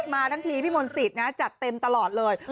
มาทั้งทีพี่มนต์สิทธิ์นะจัดเต็มตลอดเลย